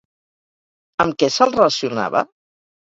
Amb què se'l relacionava?